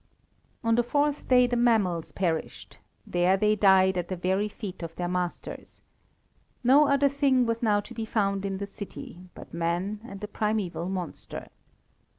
On the fourth day the mammals perished; there they died at the very feet of their masters. No other thing was now to be found in the city, but man and the primeval monster.